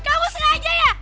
kau sengaja ya